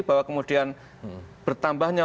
bahwa kemudian bertambahnya